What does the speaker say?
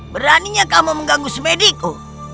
beraninya kamu mengganggu semediku